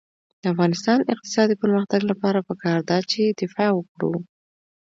د افغانستان د اقتصادي پرمختګ لپاره پکار ده چې دفاع وکړو.